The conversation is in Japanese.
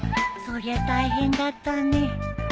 そりゃ大変だったね。